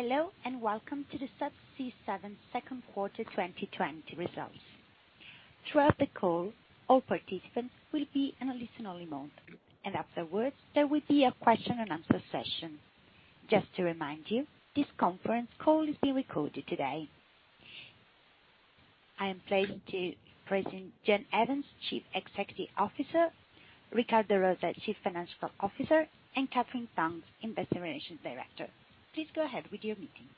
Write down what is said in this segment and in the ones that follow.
Hello, and welcome to the Subsea 7 Second Quarter 2020 results. Throughout the call, all participants will be in a listen-only mode, and afterwards, there will be a question-and-answer session. Just to remind you, this conference call is being recorded today. I am pleased to present John Evans, Chief Executive Officer, Ricardo Rosa, Chief Financial Officer, and Katherine Tonks, Investor Relations Director. Please go ahead with your meeting.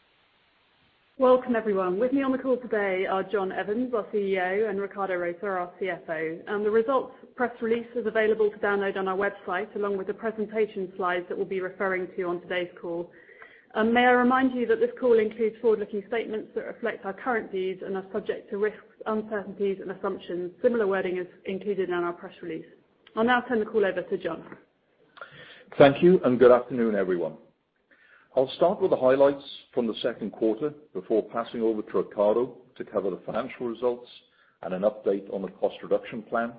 Welcome, everyone. With me on the call today are John Evans, our CEO and Ricardo Rosa, our CFO. The results press release is available to download on our website, along with the presentation slides that we'll be referring to on today's call. May I remind you that this call includes forward-looking statements that reflect our current views and are subject to risks, uncertainties, and assumptions. Similar wording is included in our press release. I'll now turn the call over to John. Thank you, and good afternoon, everyone. I'll start with the highlights from the second quarter before passing over to Ricardo to cover the financial results and an update on the cost reduction plan,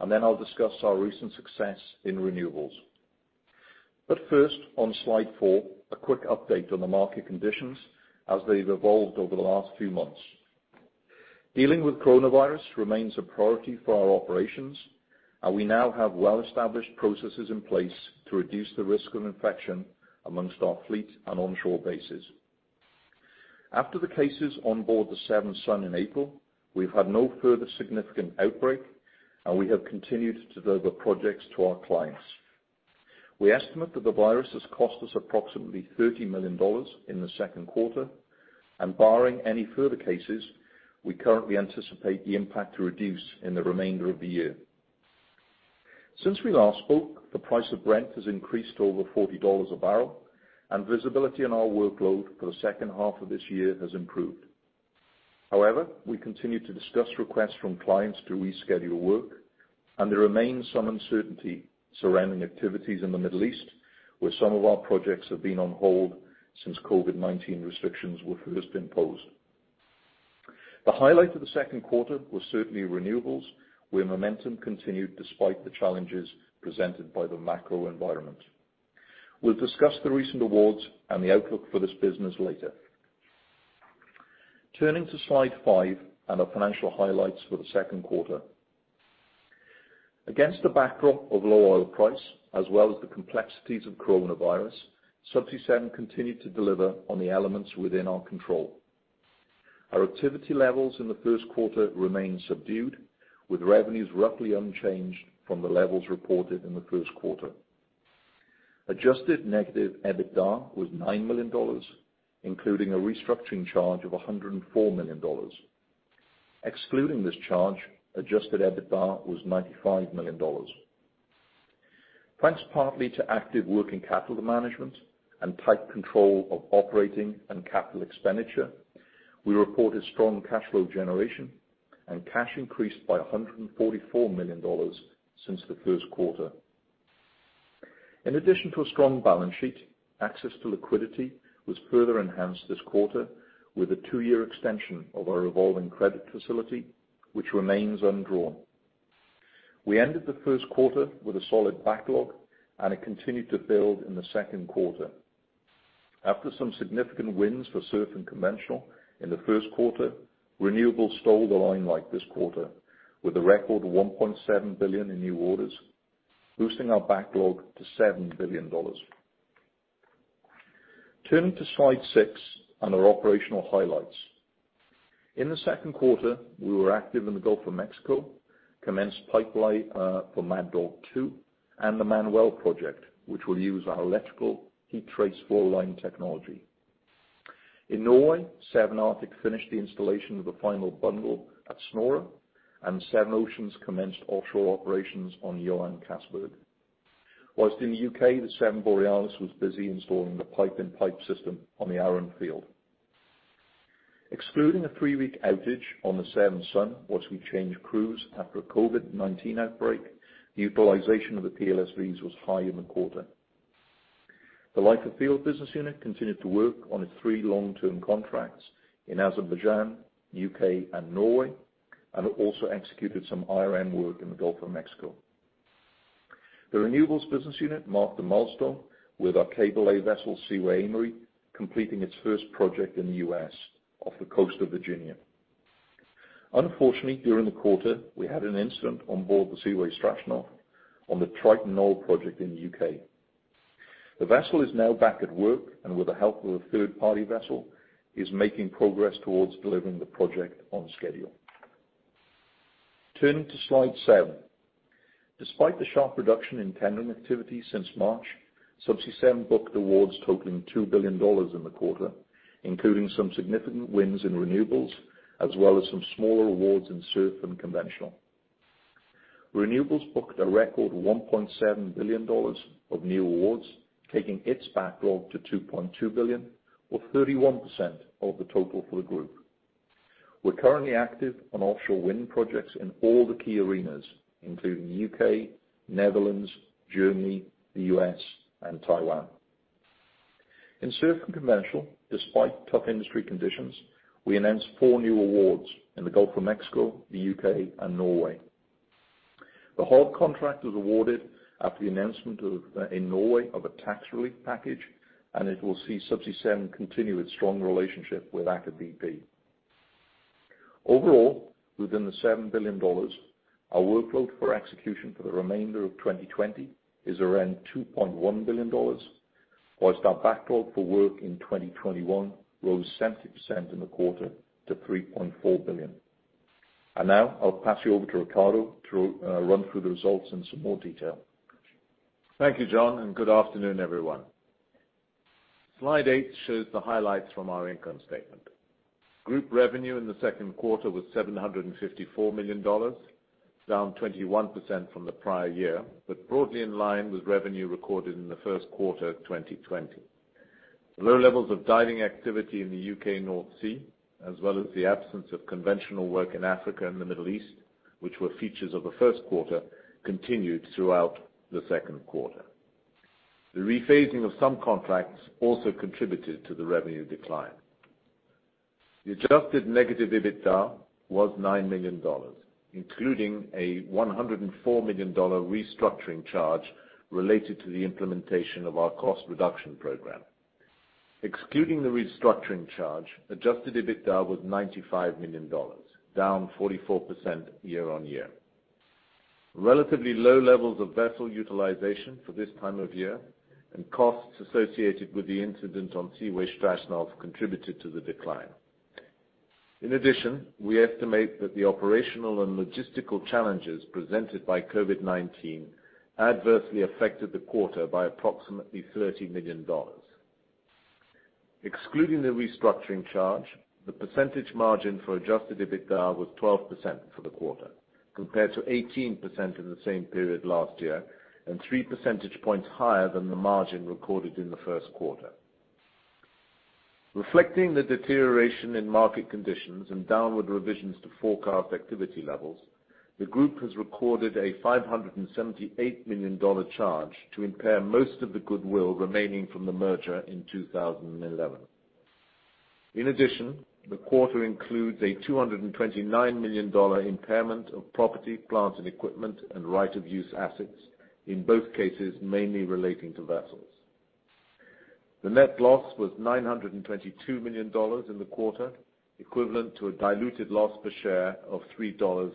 and then I'll discuss our recent success in renewables. But first, on slide 4, a quick update on the market conditions as they've evolved over the last few months. Dealing with coronavirus remains a priority for our operations, and we now have well-established processes in place to reduce the risk of infection among our fleet and onshore bases. After the cases on board the Seven Sun in April, we've had no further significant outbreak, and we have continued to deliver projects to our clients. We estimate that the virus has cost us approximately $30 million in the second quarter, and barring any further cases, we currently anticipate the impact to reduce in the remainder of the year. Since we last spoke, the price of Brent has increased over $40 a barrel, and visibility on our workload for the second half of this year has improved. However, we continue to discuss requests from clients to reschedule work, and there remains some uncertainty surrounding activities in the Middle East, where some of our projects have been on hold since COVID-19 restrictions were first imposed. The highlight of the second quarter was certainly renewables, where momentum continued despite the challenges presented by the macro environment. We'll discuss the recent awards and the outlook for this business later. Turning to slide 5 and our financial highlights for the second quarter. Against the backdrop of low oil price, as well as the complexities of coronavirus, Subsea 7 continued to deliver on the elements within our control. Our activity levels in the first quarter remained subdued, with revenues roughly unchanged from the levels reported in the first quarter. Adjusted negative EBITDA was $9 million, including a restructuring charge of $104 million. Excluding this charge, adjusted EBITDA was $95 million. Thanks partly to active working capital management and tight control of operating and capital expenditure, we reported strong cash flow generation, and cash increased by $144 million since the first quarter. In addition to a strong balance sheet, access to liquidity was further enhanced this quarter with a two-year extension of our revolving credit facility, which remains undrawn. We ended the first quarter with a solid backlog, and it continued to build in the second quarter. After some significant wins for SURF and conventional in the first quarter, renewables stole the limelight this quarter, with a record of $1.7 billion in new orders, boosting our backlog to $7 billion. Turning to slide 6 under operational highlights. In the second quarter, we were active in the Gulf of Mexico, commenced pipeline for Mad Dog 2 and the Manuel Project, which will use our electrical heat trace flowline technology. In Norway, Seven Arctic finished the installation of the final bundle at Snorre, and Seven Oceans commenced offshore operations on Johan Castberg. Whilst in the U.K., the Seven Borealis was busy installing the pipe-in-pipe system on the Arran field. Excluding a three-week outage on the Seven Sun, while we changed crews after a COVID-19 outbreak, the utilization of the PLSVs was high in the quarter. The Life of Field business unit continued to work on its three long-term contracts in Azerbaijan, U.K., and Norway, and it also executed some IRM work in the Gulf of Mexico. The renewables business unit marked a milestone with our cable-lay vessel, Seaway Aimery, completing its first project in the U.S. off the coast of Virginia. Unfortunately, during the quarter, we had an incident on board the Seaway Strashnov on the Triton Knoll project in the U.K. The vessel is now back at work, and with the help of a third-party vessel, is making progress towards delivering the project on schedule. Turning to slide 7, despite the sharp reduction in tendering activity since March, Subsea 7 booked awards totaling $2 billion in the quarter, including some significant wins in renewables, as well as some smaller awards in SURF and conventional. Renewables booked a record $1.7 billion of new awards, taking its backlog to $2.2 billion or 31% of the total for the group. We're currently active on offshore wind projects in all the key arenas, including the U.K., Netherlands, Germany, the U.S., and Taiwan. In SURF and conventional, despite tough industry conditions, we announced four new awards in the Gulf of Mexico, the U.K., and Norway. The Hod contract was awarded after the announcement of, in Norway of a tax relief package, and it will see Subsea 7 continue its strong relationship with Aker BP. Overall, within the $7 billion, our workload for execution for the remainder of 2020 is around $2.1 billion, while our backlog for work in 2021 rose 70% in the quarter to $3.4 billion. And now, I'll pass you over to Ricardo to run through the results in some more detail. Thank you, John, and good afternoon, everyone. Slide 8 shows the highlights from our income statement. Group revenue in the second quarter was $754 million, down 21% from the prior year, but broadly in line with revenue recorded in the first quarter of 2020. Low levels of diving activity in the U.K. North Sea, as well as the absence of conventional work in Africa and the Middle East, which were features of the first quarter, continued throughout the second quarter. The rephasing of some contracts also contributed to the revenue decline. The adjusted negative EBITDA was $9 million, including a $104 million restructuring charge related to the implementation of our cost reduction program. Excluding the restructuring charge, adjusted EBITDA was $95 million, down 44% year-on-year. Relatively low levels of vessel utilization for this time of year and costs associated with the incident on Seaway Strashnov contributed to the decline. In addition, we estimate that the operational and logistical challenges presented by COVID-19 adversely affected the quarter by approximately $30 million. Excluding the restructuring charge, the percentage margin for adjusted EBITDA was 12% for the quarter, compared to 18% in the same period last year, and three percentage points higher than the margin recorded in the first quarter. Reflecting the deterioration in market conditions and downward revisions to forecast activity levels, the group has recorded a $578 million charge to impair most of the goodwill remaining from the merger in 2011. In addition, the quarter includes a $229 million impairment of property, plant, and equipment, and right-of-use assets, in both cases, mainly relating to vessels. The net loss was $922 million in the quarter, equivalent to a diluted loss per share of $3.06.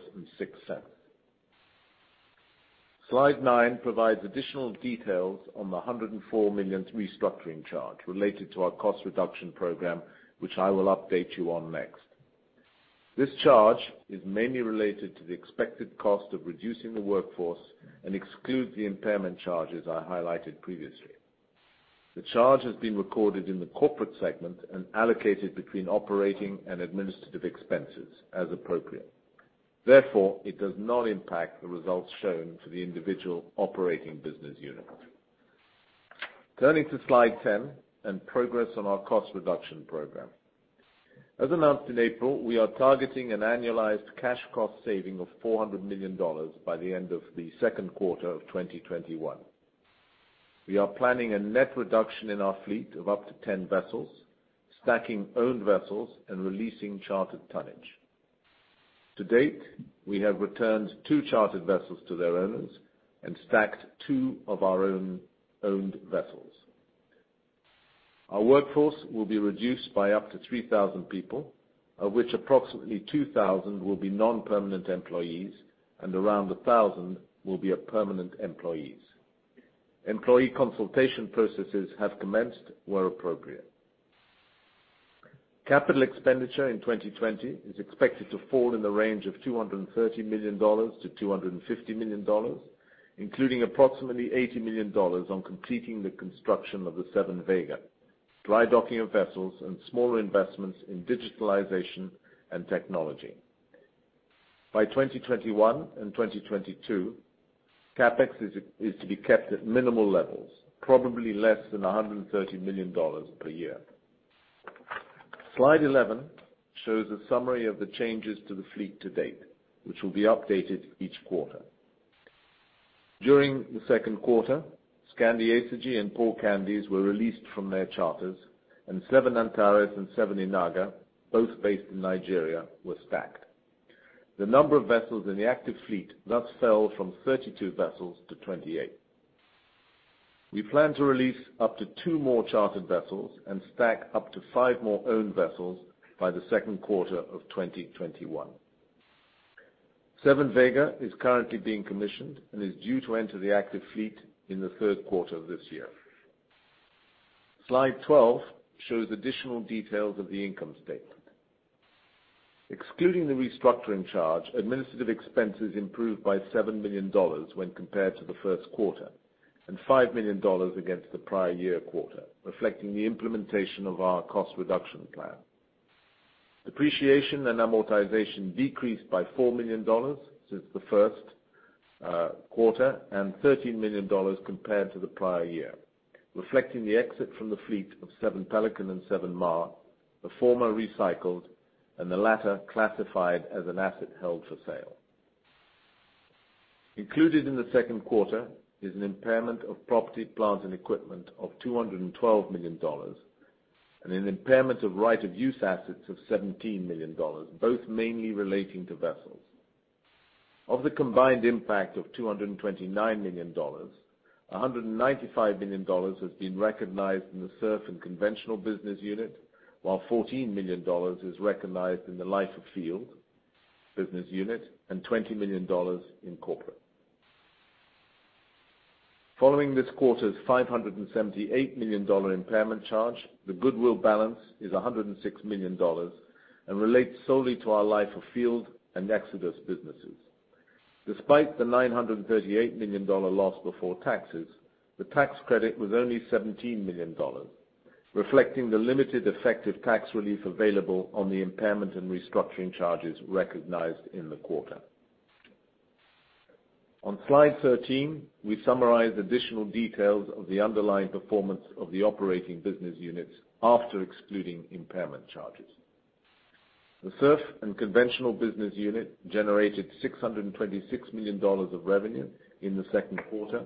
Slide 9 provides additional details on the $104 million restructuring charge related to our cost reduction program, which I will update you on next. This charge is mainly related to the expected cost of reducing the workforce and excludes the impairment charges I highlighted previously. The charge has been recorded in the corporate segment and allocated between operating and administrative expenses as appropriate. Therefore, it does not impact the results shown for the individual operating business units. Turning to slide 10 and progress on our cost reduction program. As announced in April, we are targeting an annualized cash cost saving of $400 million by the end of the second quarter of 2021. We are planning a net reduction in our fleet of up to 10 vessels, stacking owned vessels and releasing chartered tonnage. To date, we have returned two chartered vessels to their owners and stacked two of our own owned vessels. Our workforce will be reduced by up to 3,000 people, of which approximately 2,000 will be non-permanent employees and around 1,000 will be permanent employees. Employee consultation processes have commenced where appropriate. Capital expenditure in 2020 is expected to fall in the range of $230 million to $250 million, including approximately $80 million on completing the construction of the Seven Vega, dry docking of vessels, and smaller investments in digitalization and technology. By 2021 and 2022, CapEx is to be kept at minimal levels, probably less than $130 million per year. Slide 11 shows a summary of the changes to the fleet to date, which will be updated each quarter. During the second quarter, Skandi Acergy and Paul Candies were released from their charters, and Seven Antares and Seven Inagha, both based in Nigeria, were stacked. The number of vessels in the active fleet thus fell from 32 vessels to 28. We plan to release up to two more chartered vessels and stack up to five more owned vessels by the second quarter of 2021. Seven Vega is currently being commissioned and is due to enter the active fleet in the third quarter of this year. Slide 12 shows additional details of the income statement. Excluding the restructuring charge, administrative expenses improved by $7 million when compared to the first quarter, and $5 million against the prior year quarter, reflecting the implementation of our cost reduction plan. Depreciation and amortization decreased by $4 million since the first quarter, and $13 million compared to the prior year, reflecting the exit from the fleet of Seven Pelican and Seven Mar, the former recycled and the latter classified as an asset held for sale. Included in the second quarter is an impairment of property, plant, and equipment of $212 million, and an impairment of right of use assets of $17 million, both mainly relating to vessels. Of the combined impact of $229 million, $195 million has been recognized in the SURF and Conventional business unit, while $14 million is recognized in the Life of Field business unit, and $20 million in corporate. Following this quarter's $578 million impairment charge, the goodwill balance is $106 million and relates solely to our Life of Field and Xodus businesses. Despite the $938 million loss before taxes, the tax credit was only $17 million, reflecting the limited effective tax relief available on the impairment and restructuring charges recognized in the quarter. On slide 13, we summarize additional details of the underlying performance of the operating business units after excluding impairment charges. The SURF and conventional business unit generated $626 million of revenue in the second quarter,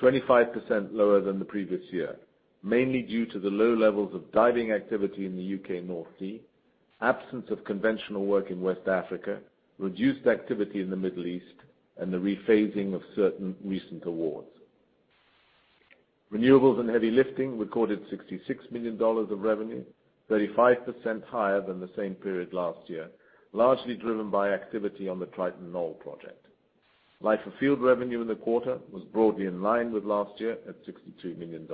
25% lower than the previous year, mainly due to the low levels of diving activity in the U.K. North Sea, absence of conventional work in West Africa, reduced activity in the Middle East, and the rephasing of certain recent awards. Renewables and Heavy Lifting recorded $66 million of revenue, 35% higher than the same period last year, largely driven by activity on the Triton Knoll project. Life of Field revenue in the quarter was broadly in line with last year at $62 million.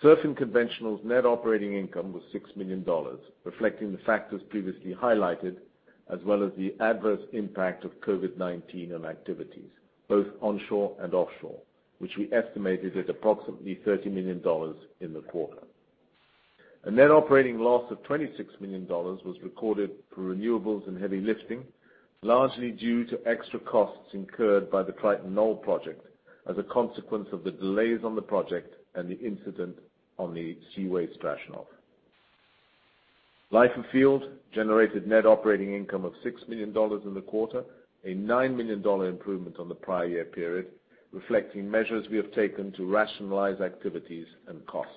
SURF and Conventional's net operating income was $6 million, reflecting the factors previously highlighted, as well as the adverse impact of COVID-19 on activities, both onshore and offshore, which we estimated at approximately $30 million in the quarter. A net operating loss of $26 million was recorded for Renewables and Heavy Lifting, largely due to extra costs incurred by the Triton Knoll project as a consequence of the delays on the project and the incident on the Seaway Strashnov. Life of Field generated net operating income of $6 million in the quarter, a $9 million improvement on the prior year period, reflecting measures we have taken to rationalize activities and costs.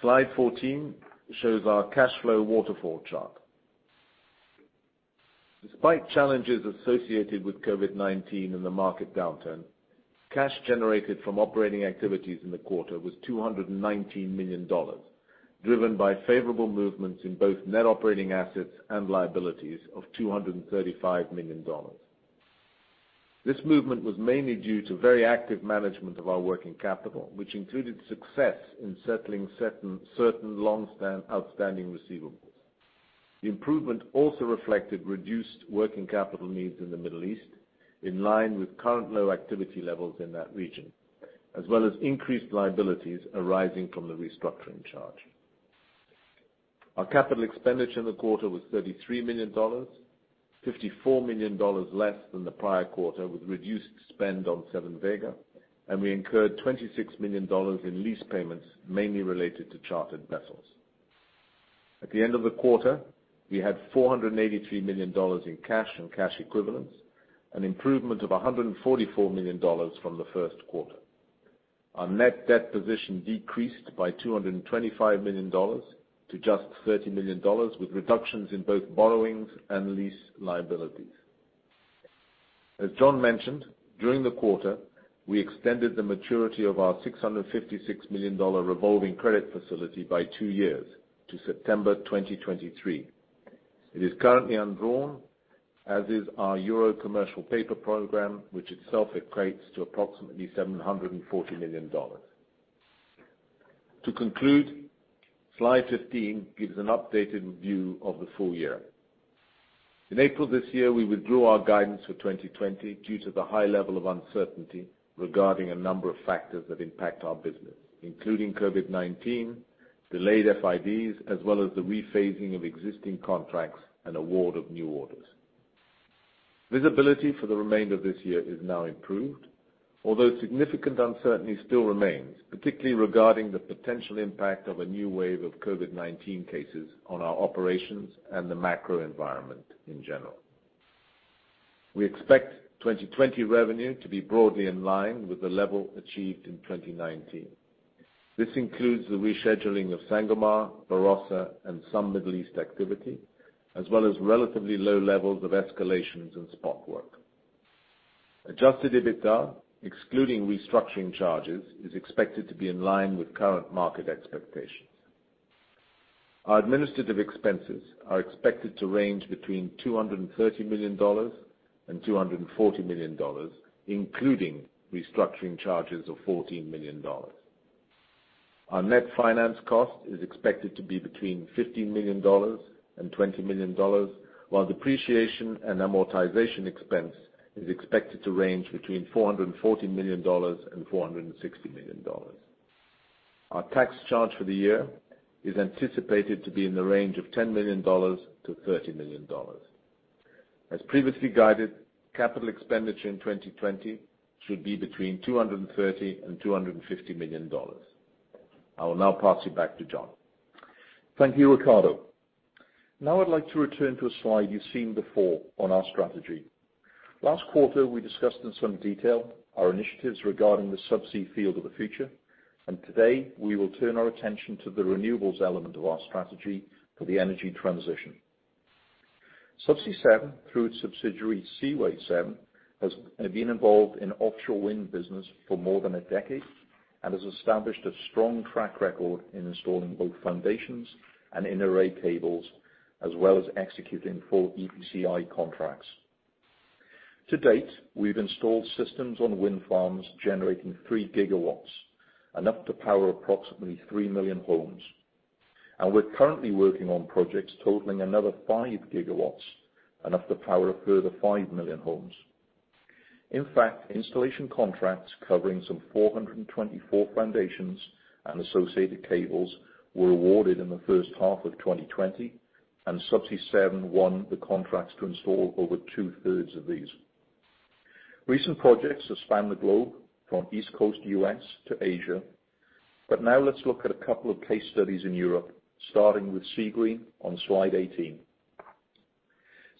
Slide 14 shows our cash flow waterfall chart. Despite challenges associated with COVID-19 and the market downturn, cash generated from operating activities in the quarter was $219 million, driven by favorable movements in both net operating assets and liabilities of $235 million. This movement was mainly due to very active management of our working capital, which included success in settling certain long-standing outstanding receivables. The improvement also reflected reduced working capital needs in the Middle East, in line with current low activity levels in that region, as well as increased liabilities arising from the restructuring charge. Our capital expenditure in the quarter was $33 million, $54 million less than the prior quarter, with reduced spend on Seven Vega, and we incurred $26 million in lease payments, mainly related to chartered vessels. At the end of the quarter, we had $483 million in cash and cash equivalents, an improvement of $144 million from the first quarter. Our net debt position decreased by $225 million to just $30 million, with reductions in both borrowings and lease liabilities. As John mentioned, during the quarter, we extended the maturity of our $656 million revolving credit facility by two years to September 2023. It is currently undrawn, as is our Euro Commercial Paper program, which itself equates to approximately $740 million. To conclude, slide 15 gives an updated view of the full year. In April this year, we withdrew our guidance for 2020 due to the high level of uncertainty regarding a number of factors that impact our business, including COVID-19, delayed FIDs, as well as the rephasing of existing contracts and award of new orders. Visibility for the remainder of this year is now improved, although significant uncertainty still remains, particularly regarding the potential impact of a new wave of COVID-19 cases on our operations and the macro environment in general. We expect 2020 revenue to be broadly in line with the level achieved in 2019. This includes the rescheduling of Sangomar, Barossa, and some Middle East activity, as well as relatively low levels of escalations and spot work. Adjusted EBITDA, excluding restructuring charges, is expected to be in line with current market expectations. Our administrative expenses are expected to range between $230 million and $240 million, including restructuring charges of $14 million. Our net finance cost is expected to be between $15 million and $20 million, while depreciation and amortization expense is expected to range between $440 million and $460 million. Our tax charge for the year is anticipated to be in the range of $10 million to $30 million. As previously guided, capital expenditure in 2020 should be between $230 million and $250 million. I will now pass you back to John. Thank you, Ricardo. Now I'd like to return to a slide you've seen before on our strategy. Last quarter, we discussed in some detail our initiatives regarding the Subsea field of the future, and today, we will turn our attention to the renewables element of our strategy for the energy transition. Subsea 7, through its subsidiary, Seaway 7, have been involved in offshore wind business for more than a decade and has established a strong track record in installing both foundations and inter-array cables, as well as executing full EPCI contracts. To date, we've installed systems on wind farms generating three gigawatts, enough to power approximately three million homes, and we're currently working on projects totaling another 5 GW, enough to power a further five million homes. In fact, installation contracts covering some 424 foundations and associated cables were awarded in the first half of 2020, and Subsea 7 won the contracts to install over two-thirds of these. Recent projects have spanned the globe from East Coast U.S. to Asia, but now let's look at a couple of case studies in Europe, starting with Seagreen on Slide 18.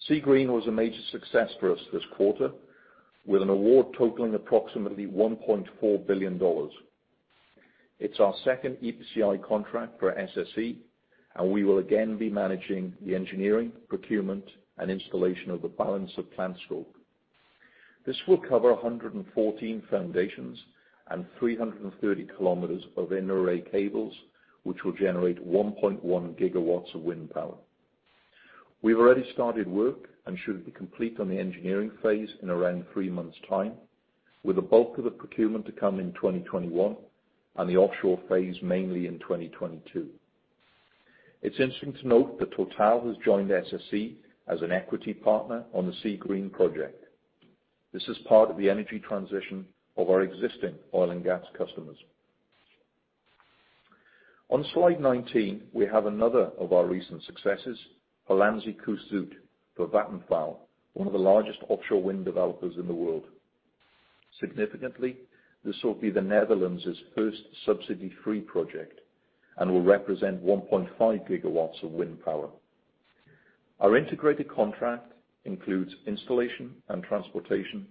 Seagreen was a major success for us this quarter, with an award totaling approximately $1.4 billion. It's our second EPCI contract for SSE, and we will again be managing the engineering, procurement, and installation of the balance of plant scope. This will cover 114 foundations and 330 km of inter-array cables, which will generate 1.1 GW of wind power. We've already started work and should be complete on the engineering phase in around three months' time, with the bulk of the procurement to come in 2021 and the offshore phase mainly in 2022. It's interesting to note that Total has joined SSE as an equity partner on the Seagreen project. This is part of the energy transition of our existing oil and gas customers. On Slide 19, we have another of our recent successes, Hollandse Kust Zuid, for Vattenfall, one of the largest offshore wind developers in the world. Significantly, this will be the Netherlands's first subsidy-free project and will represent 1.5 GW of wind power. Our integrated contract includes installation and transportation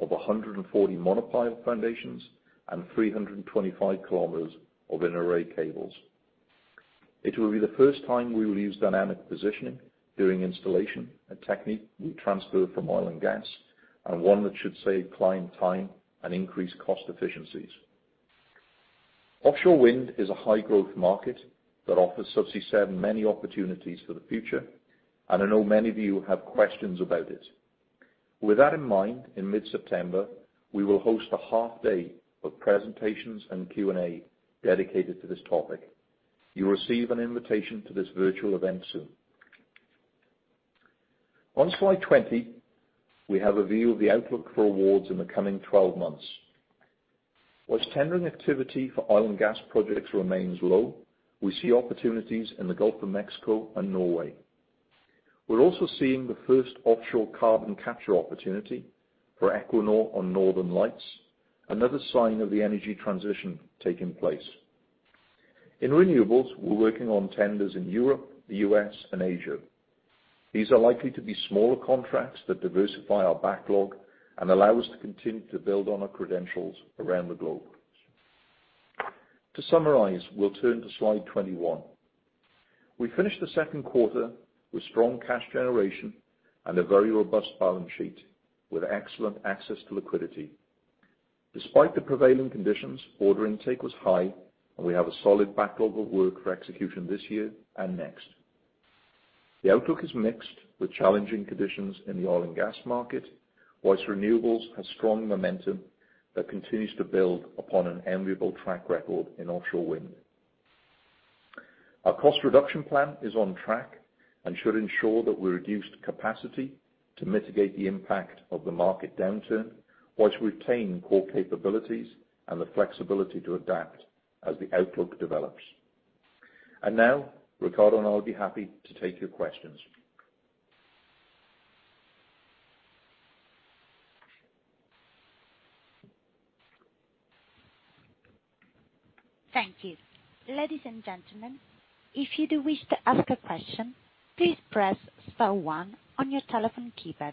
of 140 monopile foundations and 325 km of inter-array cables. It will be the first time we will use dynamic positioning during installation, a technique we transferred from oil and gas, and one that should save client time and increase cost efficiencies. Offshore wind is a high-growth market that offers Subsea 7 many opportunities for the future, and I know many of you have questions about it. With that in mind, in mid-September, we will host a half day of presentations and Q&A dedicated to this topic. You'll receive an invitation to this virtual event soon. On slide 20, we have a view of the outlook for awards in the coming 12 months. While tendering activity for oil and gas projects remains low, we see opportunities in the Gulf of Mexico and Norway. We're also seeing the first offshore carbon capture opportunity for Equinor on Northern Lights, another sign of the energy transition taking place. In renewables, we're working on tenders in Europe, the U.S., and Asia. These are likely to be smaller contracts that diversify our backlog and allow us to continue to build on our credentials around the globe. To summarize, we'll turn to slide twenty-one. We finished the second quarter with strong cash generation and a very robust balance sheet, with excellent access to liquidity. Despite the prevailing conditions, order intake was high, and we have a solid backlog of work for execution this year and next. The outlook is mixed, with challenging conditions in the oil and gas market, while renewables have strong momentum that continues to build upon an enviable track record in offshore wind. Our cost reduction plan is on track and should ensure that we reduce capacity to mitigate the impact of the market downturn, while retaining core capabilities and the flexibility to adapt as the outlook develops. Now, Ricardo and I will be happy to take your questions. Thank you. Ladies and gentlemen, if you do wish to ask a question, please press star one on your telephone keypad.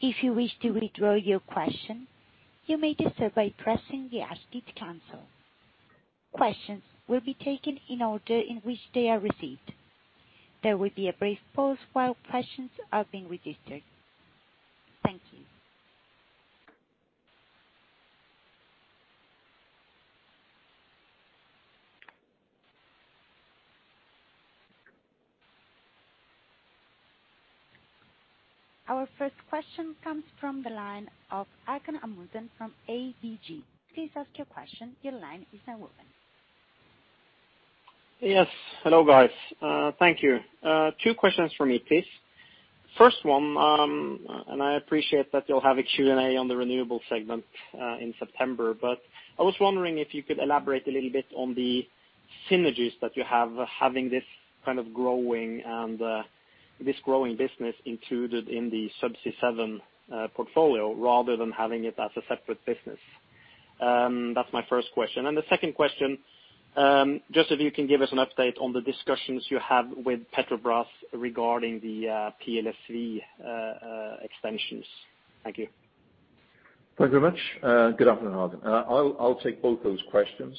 If you wish to withdraw your question, you may do so by pressing the hashtag to cancel. Questions will be taken in order in which they are received. There will be a brief pause while questions are being registered. Thank you. Our first question comes from the line of Haakon Amundsen from ABG. Please ask your question. Your line is now open. Yes. Hello, guys, thank you. Two questions from me, please. First one, and I appreciate that you'll have a Q&A on the renewables segment in September, but I was wondering if you could elaborate a little bit on the synergies that you have, having this kind of growing in this growing business included in the Subsea 7 portfolio, rather than having it as a separate business. That's my first question. And the second question, just if you can give us an update on the discussions you have with Petrobras regarding the PLSV extensions. Thank you. Thank you very much. Good afternoon. I'll take both those questions.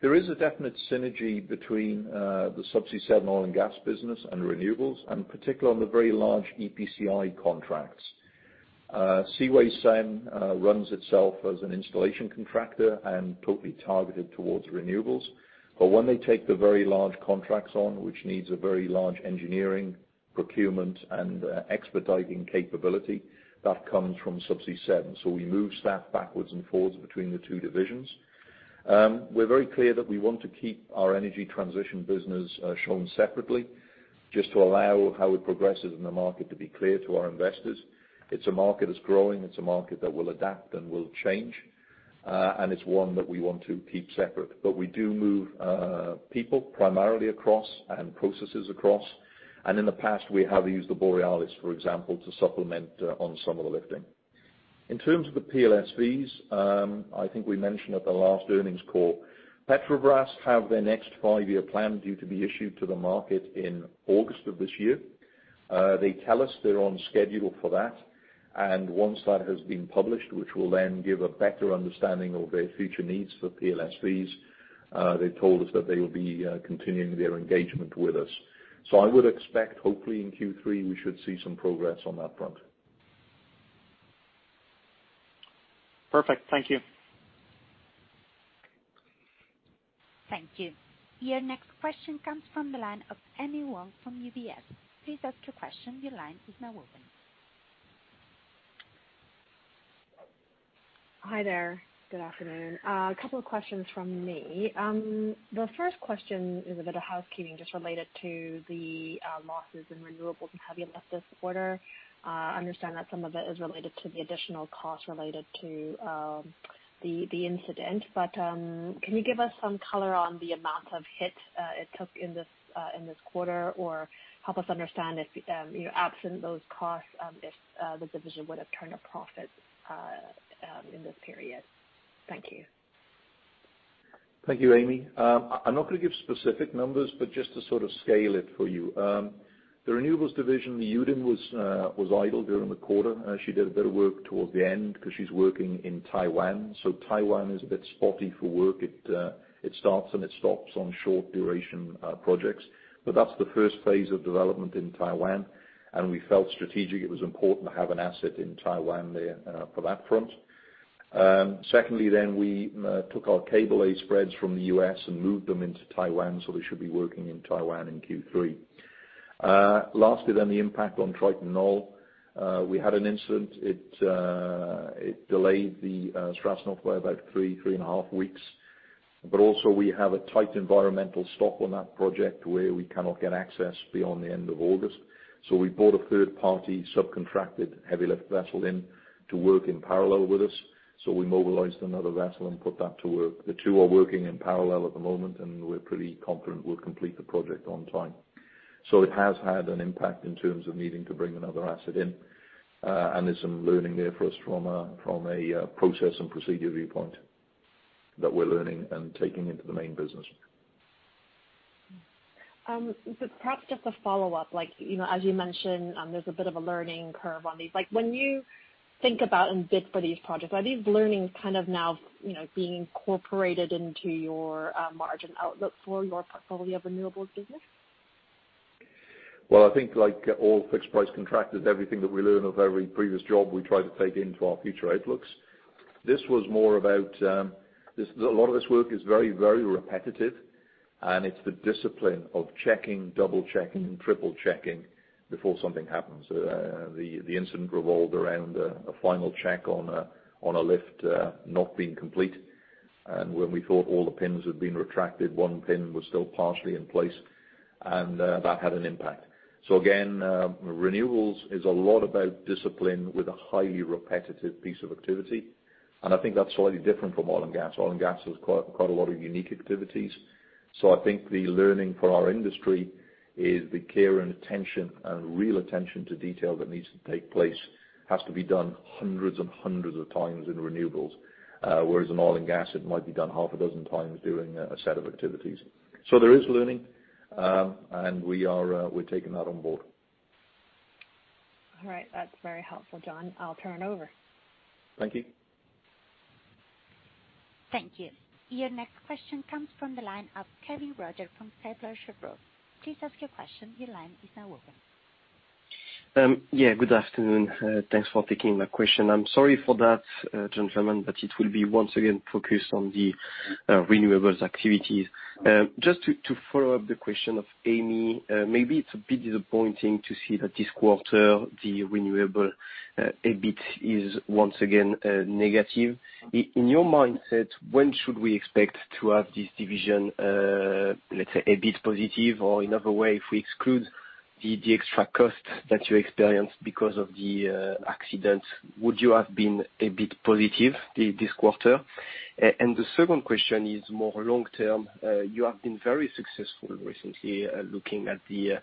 There is a definite synergy between the Subsea 7 oil and gas business and renewables, and particularly on the very large EPCI contracts. Seaway 7 runs itself as an installation contractor and totally targeted towards renewables. But when they take the very large contracts on, which needs a very large engineering, procurement, and expediting capability, that comes from Subsea 7. So we move staff backwards and forwards between the two divisions. We're very clear that we want to keep our energy transition business shown separately, just to allow how it progresses in the market to be clear to our investors. It's a market that's growing, it's a market that will adapt and will change, and it's one that we want to keep separate. But we do move people primarily across and processes across, and in the past, we have used the Borealis, for example, to supplement on some of the lifting. In terms of the PLSVs, I think we mentioned at the last earnings call, Petrobras have their next five-year plan due to be issued to the market in August of this year. They tell us they're on schedule for that, and once that has been published, which will then give a better understanding of their future needs for PLSVs, they've told us that they will be continuing their engagement with us. So I would expect, hopefully in Q3, we should see some progress on that front. Perfect. Thank you. Thank you. Your next question comes from the line of Amy Wong from UBS. Please ask your question. Your line is now open. Hi there. Good afternoon. A couple of questions from me. The first question is a bit of housekeeping, just related to the losses in renewables and heavy lift this quarter. I understand that some of it is related to the additional costs related to the incident. But can you give us some color on the amount of hit it took in this quarter, or help us understand if, you know, absent those costs, if the division would have turned a profit in this period? Thank you. Thank you, Amy. I'm not going to give specific numbers, but just to sort of scale it for you. The renewables division, the Yudin, was idle during the quarter. She did a bit of work towards the end because she's working in Taiwan, so Taiwan is a bit spotty for work. It starts and it stops on short duration projects, but that's the first phase of development in Taiwan, and we felt strategic. It was important to have an asset in Taiwan there for that front. Secondly then, we took our cable-lay spreads from the U.S. and moved them into Taiwan, so they should be working in Taiwan in Q3. Lastly, then the impact on Triton Knoll. We had an incident. It delayed the Triton Knoll by about three and a half weeks. But also, we have a tight environmental window on that project, where we cannot get access beyond the end of August. So we brought a third-party, subcontracted heavy lift vessel in to work in parallel with us. So we mobilized another vessel and put that to work. The two are working in parallel at the moment, and we're pretty confident we'll complete the project on time. So it has had an impact in terms of needing to bring another asset in, and there's some learning there for us from a process and procedure viewpoint that we're learning and taking into the main business. So perhaps just a follow-up, like, you know, as you mentioned, there's a bit of a learning curve on these. Like, when you think about and bid for these projects, are these learnings kind of now, you know, being incorporated into your margin outlook for your portfolio of renewables business? I think like all fixed price contractors, everything that we learn of every previous job, we try to take into our future outlooks. This was more about a lot of this work is very, very repetitive, and it's the discipline of checking, double-checking, triple-checking before something happens. The incident revolved around a final check on a lift not being complete. And when we thought all the pins had been retracted, one pin was still partially in place, and that had an impact. Again, renewables is a lot about discipline with a highly repetitive piece of activity, and I think that's slightly different from oil and gas. Oil and gas has quite a lot of unique activities. So I think the learning for our industry is the care and attention, and real attention to detail that needs to take place, has to be done hundreds and hundreds of times in renewables. Whereas in oil and gas, it might be done half a dozen times during a set of activities. So there is learning, and we're taking that on board. All right. That's very helpful, John. I'll turn over. Thank you. Thank you. Your next question comes from the line of Kevin Roger from Kepler Cheuvreux. Please ask your question. Your line is now open. Yeah, good afternoon. Thanks for taking my question. I'm sorry for that, gentlemen, but it will be once again focused on the renewables activities. Just to follow up the question of Amy, maybe it's a bit disappointing to see that this quarter, the renewable EBIT is once again negative. In your mindset, when should we expect to have this division, let's say, a bit positive, or another way, if we exclude the extra costs that you experienced because of the accident, would you have been a bit positive this quarter? And the second question is more long-term. You have been very successful recently looking at the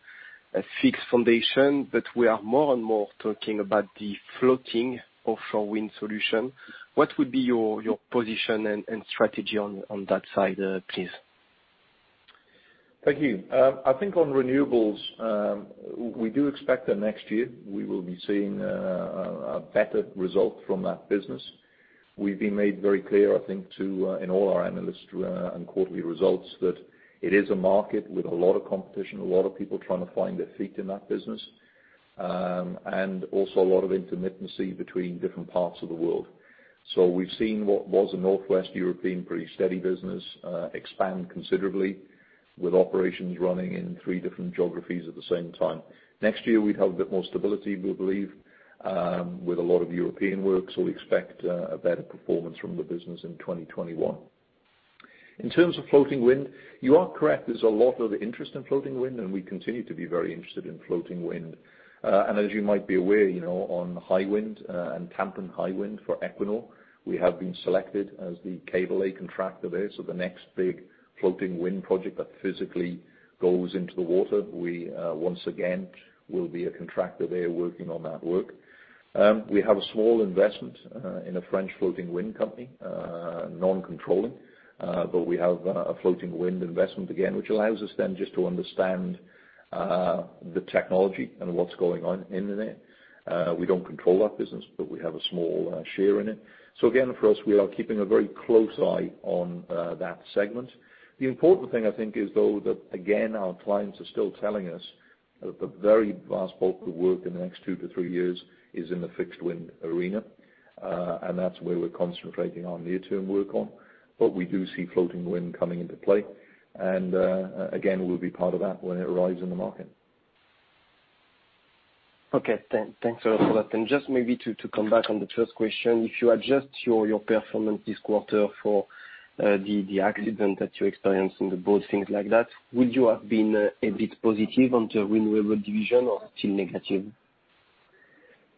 fixed foundation, but we are more and more talking about the floating offshore wind solution. What would be your position and strategy on that side, please? Thank you. I think on renewables, we do expect that next year, we will be seeing a better result from that business. We've been made very clear, I think, in all our analysts and quarterly results, that it is a market with a lot of competition, a lot of people trying to find their feet in that business. And also a lot of intermittency between different parts of the world. So we've seen what was a Northwest European pretty steady business expand considerably with operations running in three different geographies at the same time. Next year, we'd have a bit more stability, we believe, with a lot of European works, so we expect a better performance from the business in 2021. In terms of floating wind, you are correct. There's a lot of interest in floating wind, and we continue to be very interested in floating wind. And as you might be aware, you know, on Hywind Tampen for Equinor, we have been selected as the cable lay contractor there. So the next big floating wind project that physically goes into the water, we, once again, will be a contractor there working on that work. We have a small investment, in a French floating wind company, non-controlling, but we have, a floating wind investment again, which allows us then just to understand, the technology and what's going on in there. We don't control that business, but we have a small, share in it. So again, for us, we are keeping a very close eye on, that segment. The important thing I think is though, that again, our clients are still telling us that the very vast bulk of work in the next two to three years is in the fixed wind arena, and that's where we're concentrating our near-term work on. But we do see floating wind coming into play, and, again, we'll be part of that when it arrives in the market. Okay, thanks a lot for that. And just maybe to come back on the first question, if you adjust your performance this quarter for the accident that you experienced aboard, things like that, would you have been EBITA positive on the renewable division or still negative?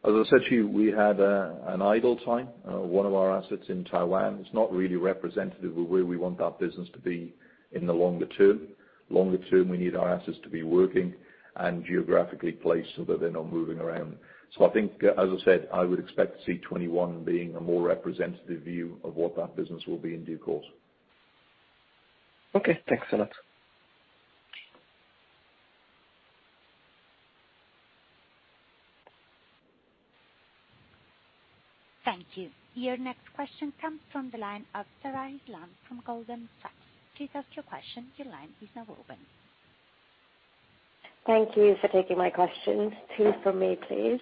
As I said to you, we had an idle time. One of our assets in Taiwan is not really representative of where we want that business to be in the longer term. Longer term, we need our assets to be working and geographically placed so that they're not moving around. So I think, as I said, I would expect to see 2021 being a more representative view of what that business will be in due course. Okay, thanks a lot. Thank you. Your next question comes from the line of Sahar Islam from Goldman Sachs. Please ask your question. Your line is now open. Thank you for taking my questions. Two from me, please.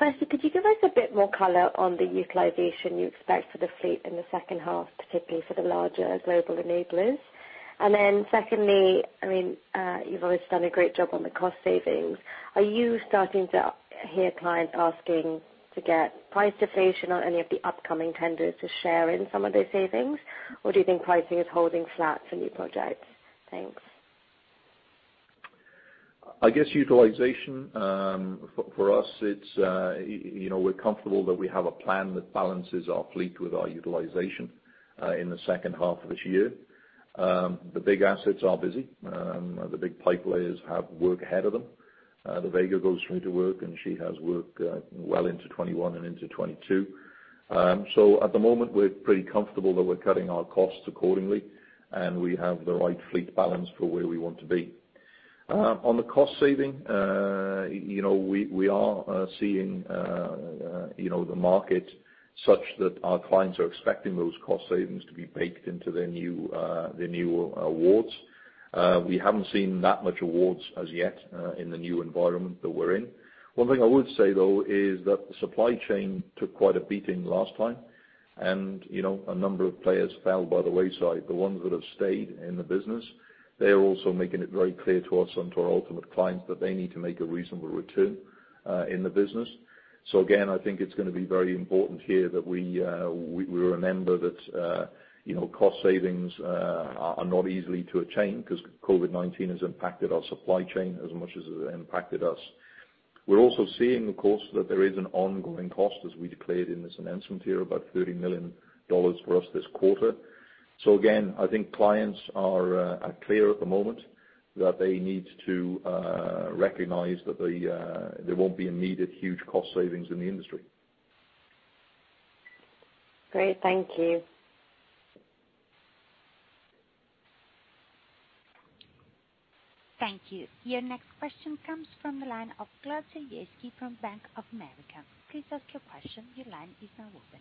Firstly, could you give us a bit more color on the utilization you expect for the fleet in the second half, particularly for the larger global enablers? And then secondly, I mean, you've always done a great job on the cost savings. Are you starting to hear clients asking to get price deflation on any of the upcoming tenders to share in some of those savings or do you think pricing is holding flat for new projects? Thanks. Utilization, for us, it's you know, we're comfortable that we have a plan that balances our fleet with our utilization, in the second half of this year. The big assets are busy. The big pipe layers have work ahead of them. The Vega goes through to work, and she has work, well into 2021 and into 2022. So at the moment, we're pretty comfortable that we're cutting our costs accordingly, and we have the right fleet balance for where we want to be. On the cost saving, you know, we are seeing, you know, the market such that our clients are expecting those cost savings to be baked into their new, their new awards. We haven't seen that much awards as yet, in the new environment that we're in. One thing I would say, though, is that the supply chain took quite a beating last time, and, you know, a number of players fell by the wayside. The ones that have stayed in the business, they are also making it very clear to us and to our ultimate clients that they need to make a reasonable return in the business. So again, I think it's gonna be very important here that we remember that, you know, cost savings are not easy to attain because COVID-19 has impacted our supply chain as much as it impacted us. We're also seeing, of course, that there is an ongoing cost, as we declared in this announcement here, about $30 million for us this quarter. So again, I think clients are clear at the moment that they need to recognize that there won't be immediate huge cost savings in the industry. Great, thank you. Thank you. Your next question comes from the line of Vlad Osakovsky from Bank of America. Please ask your question. Your line is now open.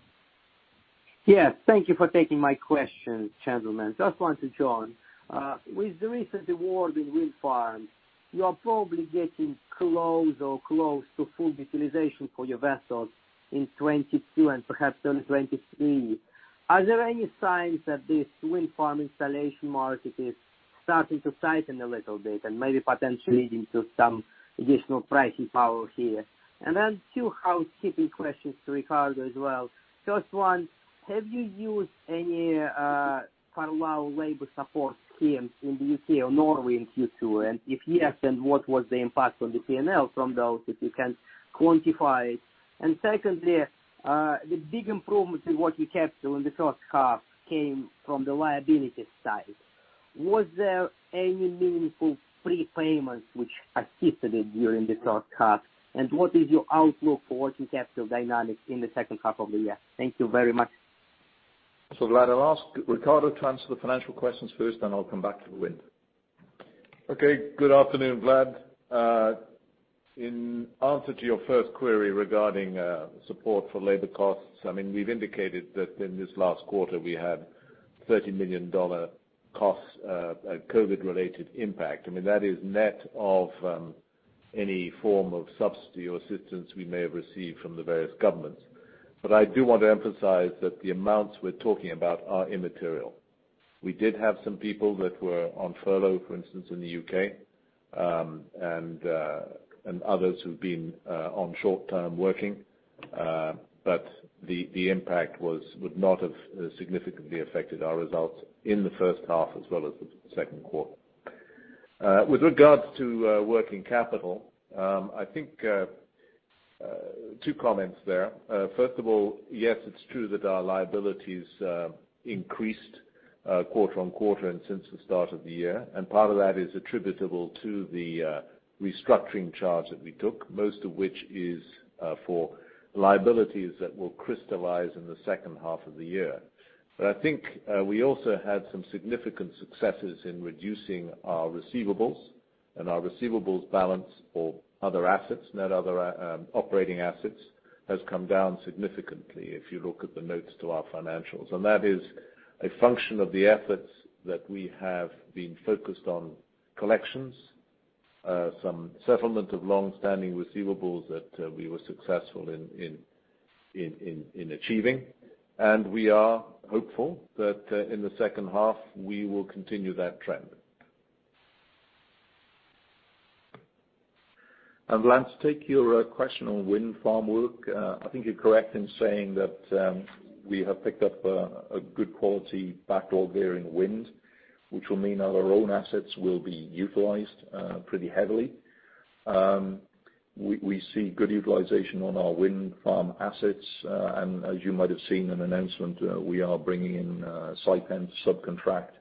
Yes, thank you for taking my questions, gentlemen. Just want to join with the recent award in wind farms, you are probably getting close to full utilization for your vessels in 2022 and perhaps 2023. Are there any signs that this wind farm installation market is starting to tighten a little bit and maybe potentially leading to some additional pricing power here? And then two housekeeping questions to Ricardo as well. First one, have you used any parallel labor support schemes in the U.K. or Norway in Q2? And if yes, then what was the impact on the P&L from those, if you can quantify it? And secondly, the big improvement in working capital in the first half came from the liability side. Was there any meaningful prepayments which assisted it during the first half? What is your outlook for working capital dynamics in the second half of the year? Thank you very much. So Vlad, I'll ask Ricardo to answer the financial questions first, then I'll come back to the wind. Okay, good afternoon, Vlad. In answer to your first query regarding support for labor costs, I mean, we've indicated that in this last quarter, we had $30 million costs, COVID-related impact. I mean, that is net of any form of subsidy or assistance we may have received from the various governments. But I do want to emphasize that the amounts we're talking about are immaterial. We did have some people that were on furlough, for instance, in the U.K., and others who've been on short-term working. But the impact would not have significantly affected our results in the first half as well as the second quarter. With regards to working capital, I think two comments there. First of all, yes, it's true that our liabilities increased quarter on quarter and since the start of the year, and part of that is attributable to the restructuring charge that we took, most of which is for liabilities that will crystallize in the second half of the year. But I think we also had some significant successes in reducing our receivables, and our receivables balance or other assets, net other operating assets, has come down significantly if you look at the notes to our financials. And that is a function of the efforts that we have been focused on collections, some settlement of long-standing receivables that we were successful in achieving. And we are hopeful that in the second half, we will continue that trend. Vlad, to take your question on wind farm work, I think you're correct in saying that we have picked up a good quality backlog there in wind, which will mean our own assets will be utilized pretty heavily. We see good utilization on our wind farm assets, and as you might have seen in an announcement, we are bringing in Saipem subcontract,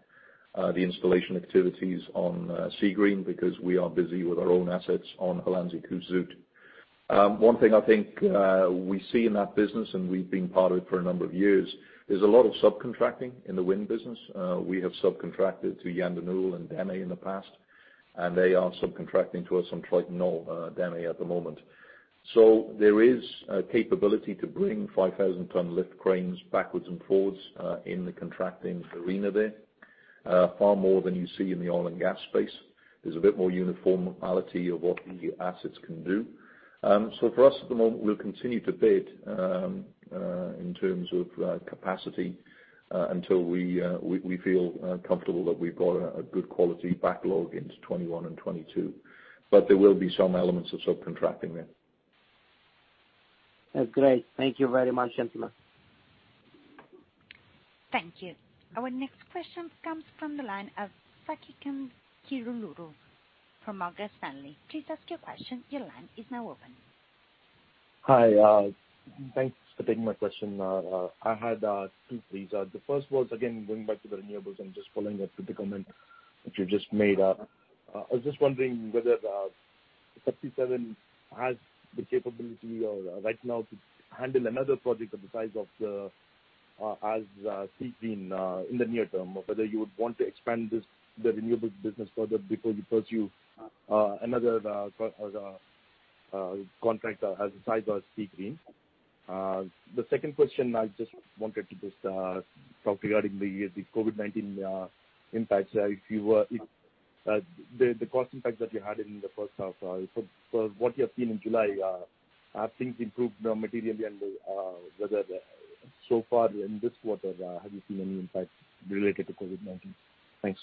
the installation activities on Seagreen, because we are busy with our own assets on Hollandse Kust Zuid. One thing I think we see in that business, and we've been part of it for a number of years, there's a lot of subcontracting in the wind business. We have subcontracted to Jan De Nul and DEME in the past, and they are subcontracting to us on Triton Knoll, DEME at the moment. So there is a capability to bring five thousand ton lift cranes backwards and forwards, in the contracting arena there, far more than you see in the oil and gas space. There's a bit more uniformity of what the assets can do. So for us, at the moment, we'll continue to bid, in terms of capacity, until we feel comfortable that we've got a good quality backlog into 2021 and 2022. But there will be some elements of subcontracting there. That's great. Thank you very much, gentlemen. Thank you. Our next question comes from the line of Sasikanth Chilukuru from Morgan Stanley. Please ask your question. Your line is now open. Hi, thanks for taking my question. I had two, please. The first was, again, going back to the renewables and just following up with the comment that you just made. I was just wondering whether Subsea 7 has the capability right now to handle another project of the size of the Seagreen in the near term, or whether you would want to expand the renewables business further before you pursue another contract as the size of Seagreen? The second question, I just wanted to talk regarding the COVID-19 impact. If the cost impact that you had in the first half, for what you have seen in July, have things improved now materially and whether so far in this quarter, have you seen any impact related to COVID-19? Thanks.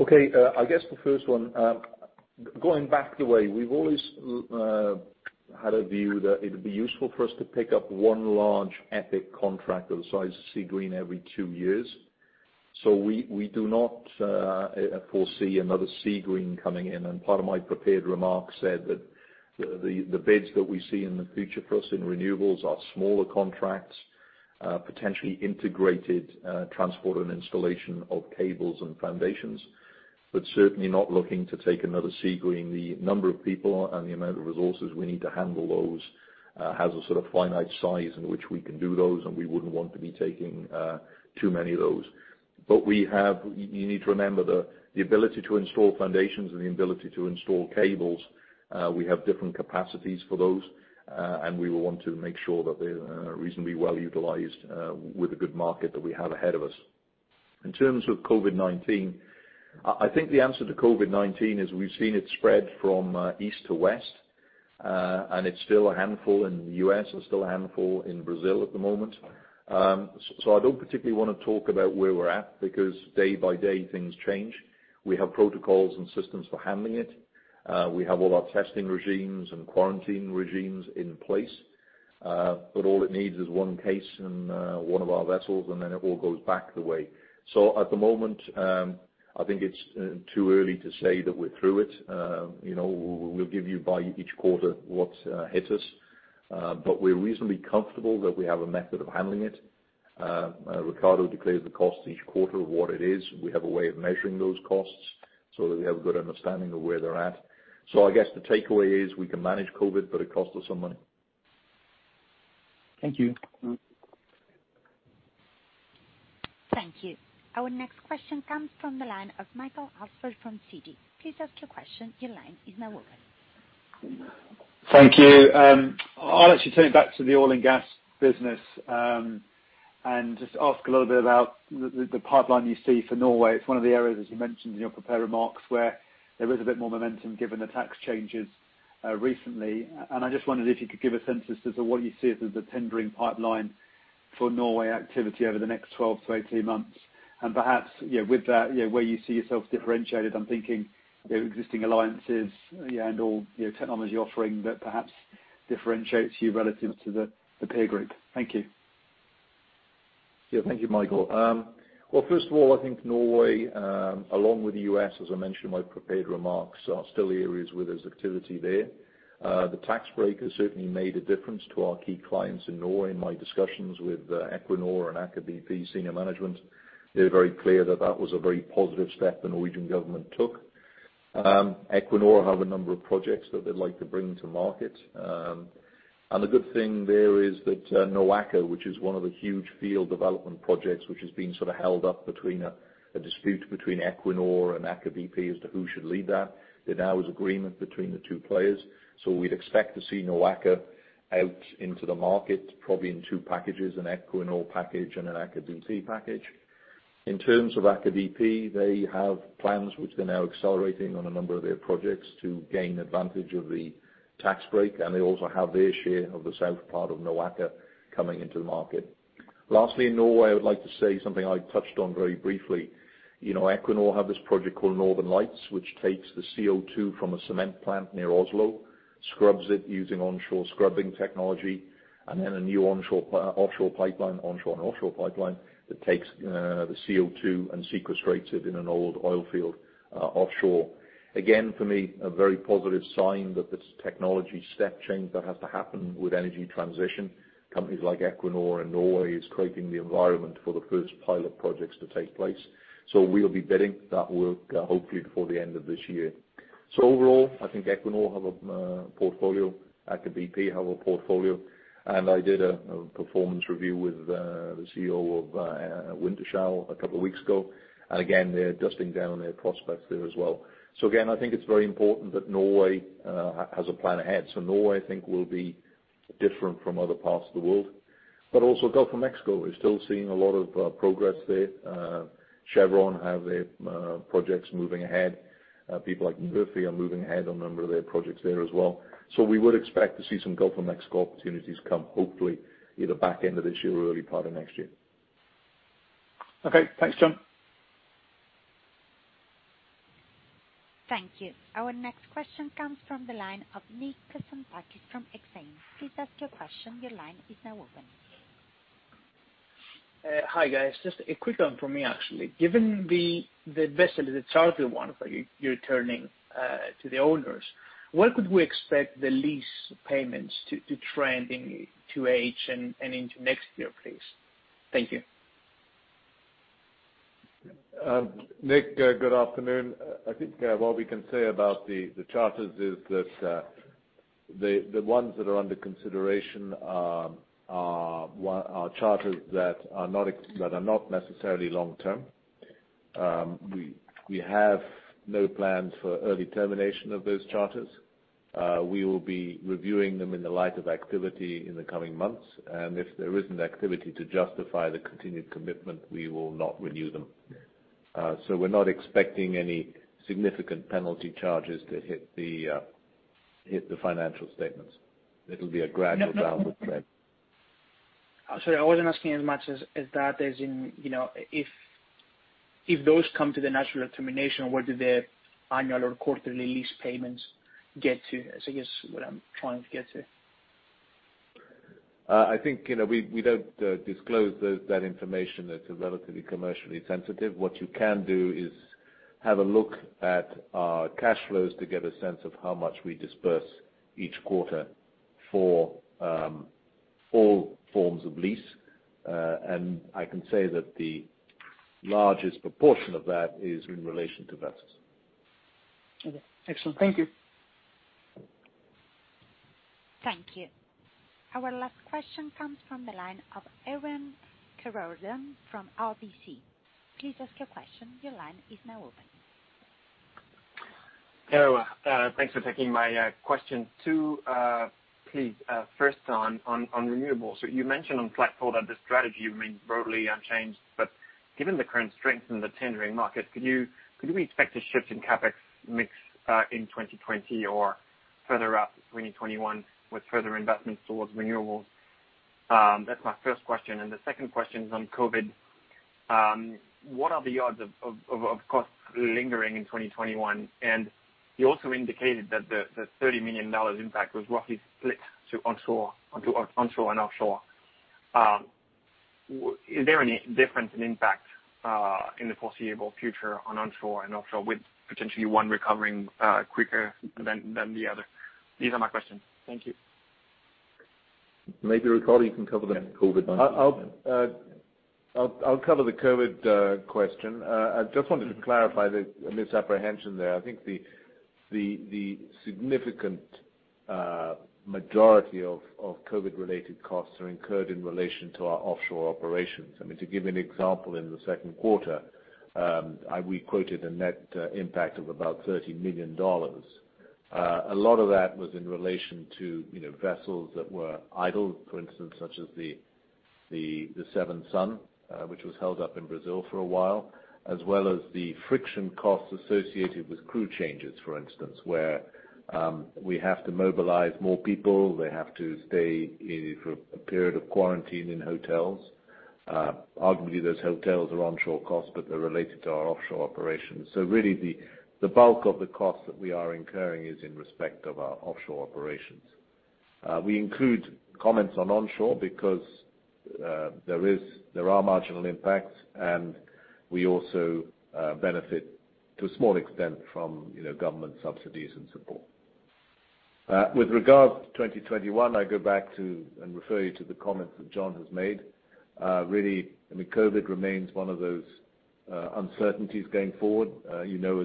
Okay, the first one, going back the way, we've always had a view that it would be useful for us to pick up one large EPCI contract of the size of Seagreen every two years. So we do not foresee another Seagreen coming in, and part of my prepared remarks said that the bids that we see in the future for us in renewables are smaller contracts, potentially integrated transport and installation of cables and foundations, but certainly not looking to take another Seagreen. The number of people and the amount of resources we need to handle those has a sort of finite size in which we can do those, and we wouldn't want to be taking too many of those. But you need to remember the ability to install foundations and the ability to install cables. We have different capacities for those, and we will want to make sure that they are reasonably well utilized, with the good market that we have ahead of us. In terms of COVID-19, I think the answer to COVID-19 is we've seen it spread from east to west, and it's still a handful in the U.S., and still a handful in Brazil at the moment. So I don't particularly wanna talk about where we're at, because day by day, things change. We have protocols and systems for handling it. We have all our testing regimes and quarantine regimes in place, but all it needs is one case and one of our vessels, and then it all goes back the way. So at the moment, I think it's too early to say that we're through it. You know, we'll give you by each quarter what's hit us, but we're reasonably comfortable that we have a method of handling it. Ricardo declares the costs each quarter of what it is. We have a way of measuring those costs so that we have a good understanding of where they're at. So I guess the takeaway is we can manage COVID, but it costs us some money. Thank you. Thank you. Our next question comes from the line of Michael Alsford from Citi. Please ask your question. Your line is now open. Thank you. I'll actually turn it back to the oil and gas business, and just ask a little bit about the pipeline you see for Norway. It's one of the areas, as you mentioned in your prepared remarks, where there is a bit more momentum given the tax changes recently. And I just wondered if you could give a consensus as to what you see as the tendering pipeline for Norway activity over the next 12 months to 18 months, and perhaps, you know, with that, you know, where you see yourself differentiated. I'm thinking, you know, existing alliances, yeah, and/or, you know, technology offering that perhaps differentiates you relative to the peer group. Thank you. Yeah, thank you, Michael. Well, first of all, I think Norway, along with the U.S., as I mentioned in my prepared remarks, are still areas where there's activity there. The tax break has certainly made a difference to our key clients in Norway. In my discussions with Equinor and Aker BP senior management, they're very clear that that was a very positive step the Norwegian government took. Equinor have a number of projects that they'd like to bring to market. And the good thing there is that, NOAKA, which is one of the huge field development projects, which has been sort of held up between a dispute between Equinor and Aker BP as to who should lead that, there now is agreement between the two players. So we'd expect to see NOAKA out into the market, probably in two packages, an Equinor package and an Aker BP package. In terms of Aker BP, they have plans which they're now accelerating on a number of their projects to gain advantage of the tax break, and they also have their share of the south part of NOAKA coming into the market. Lastly, in Norway, I would like to say something I touched on very briefly. You know, Equinor have this project called Northern Lights, which takes the CO2 from a cement plant near Oslo, scrubs it using onshore scrubbing technology, and then a new onshore and offshore pipeline that takes the CO2 and sequestrates it in an old oil field offshore. Again, for me, a very positive sign that this technology step change that has to happen with energy transition, companies like Equinor and Norway is creating the environment for the first pilot projects to take place. So we'll be bidding. That will hopefully before the end of this year. So overall, I think Equinor have a portfolio, Aker BP have a portfolio, and I did a performance review with the CEO of Wintershall a couple of weeks ago, and again, they're dusting off their prospects there as well. So again, I think it's very important that Norway has a plan ahead. So Norway, I think, will be different from other parts of the world. But also Gulf of Mexico, we're still seeing a lot of progress there. Chevron have their projects moving ahead. People like Murphy are moving ahead on a number of their projects there as well, so we would expect to see some Gulf of Mexico opportunities come, hopefully, either back end of this year or early part of next year. Okay. Thanks, John. Thank you. Our next question comes from the line of Nick Konstantakis from Exane. Please ask your question. Your line is now open. Hi, guys. Just a quick one from me, actually. Given the vessels, the charter one that you're returning to the owners, when could we expect the lease payments to trend into 2H and into next year, please? Thank you. Nick, good afternoon. I think what we can say about the charters is that the ones that are under consideration are charters that are not necessarily long term. We have no plans for early termination of those charters. We will be reviewing them in the light of activity in the coming months, and if there isn't activity to justify the continued commitment, we will not renew them. So we're not expecting any significant penalty charges to hit the financial statements. It'll be a gradual downward trend. Sorry, I wasn't asking as much as that, as in, you know, if those come to the natural termination, where do their annual or quarterly lease payments get to, is what I'm trying to get to. I think, you know, we don't disclose that information. That's relatively commercially sensitive. What you can do is have a look at our cash flows to get a sense of how much we disperse each quarter for all forms of lease. And I can say that the largest proportion of that is in relation to vessels. Okay, excellent. Thank you. Thank you. Our last question comes from the line of Erwan Kerouredan from RBC. Please ask your question. Your line is now open. Hello. Thanks for taking my question. Two, please, first on renewables. So you mentioned on the platform that the strategy remains broadly unchanged, but given the current strength in the tendering market, could we expect a shift in CapEx mix in 2020 or further out to 2021 with further investments towards renewables? That's my first question, and the second question is on COVID. What are the odds of costs lingering in 2021? And you also indicated that the $30 million impact was roughly split to onshore, onto onshore and offshore. Is there any difference in impact in the foreseeable future on onshore and offshore, with potentially one recovering quicker than the other? These are my questions. Thank you. Maybe Ricardo, you can cover the COVID-19. I'll cover the COVID question. I just wanted to clarify the misapprehension there. I think the significant majority of COVID-related costs are incurred in relation to our offshore operations. I mean, to give you an example, in the second quarter, we quoted a net impact of about $30 million. A lot of that was in relation to, you know, vessels that were idle, for instance, such as the Seven Sun, which was held up in Brazil for a while, as well as the friction costs associated with crew changes, for instance, where we have to mobilize more people. They have to stay in for a period of quarantine in hotels. Arguably, those hotels are onshore costs, but they're related to our offshore operations. So really, the bulk of the cost that we are incurring is in respect of our offshore operations. We include comments on onshore because there are marginal impacts, and we also benefit to a small extent from, you know, government subsidies and support. With regards to 2021, I go back to and refer you to the comments that John has made. Really, I mean, COVID remains one of those uncertainties going forward. You know,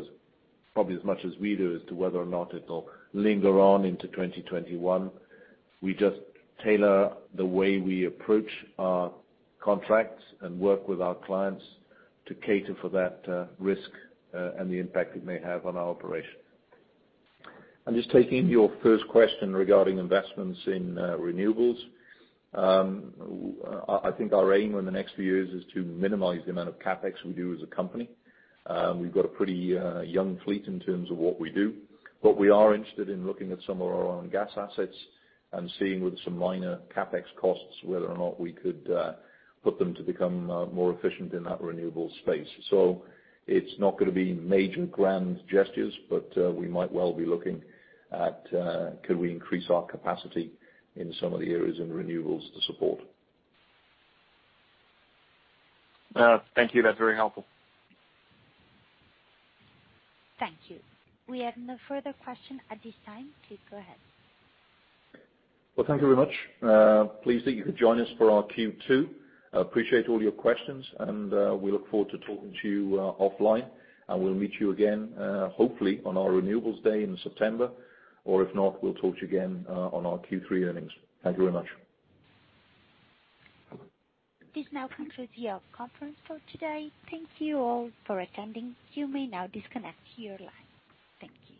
as probably as much as we do as to whether or not it'll linger on into 2021. We just tailor the way we approach our contracts and work with our clients to cater for that risk, and the impact it may have on our operation. And just taking your first question regarding investments in renewables. I think our aim in the next few years is to minimize the amount of CapEx we do as a company. We've got a pretty young fleet in terms of what we do, but we are interested in looking at some of our own gas assets and seeing with some minor CapEx costs, whether or not we could put them to become more efficient in that renewable space. So it's not gonna be major grand gestures, but we might well be looking at could we increase our capacity in some of the areas in renewables to support? Thank you. That's very helpful. Thank you. We have no further questions at this time. Please go ahead. Thank you very much. Pleased that you could join us for our Q2. I appreciate all your questions, and we look forward to talking to you offline. We'll meet you again, hopefully on our Renewables Day in September, or if not, we'll talk to you again on our Q3 earnings. Thank you very much. This now concludes your conference call today. Thank you all for attending. You may now disconnect your line. Thank you.